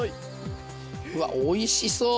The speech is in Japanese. うわおいしそう！